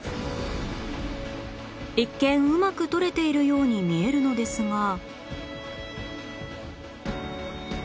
一見うまく撮れているように見えるのですが